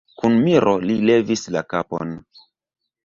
Kun miro li levis la kapon.